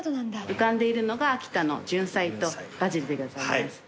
浮かんでいるのが秋田のジュンサイとバジルでございます。